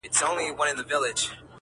ما ته بيرته يو ځل راكه اولادونه!!